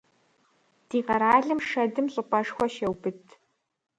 Ди къэралым шэдым щӀыпӀэшхуэ щеубыд.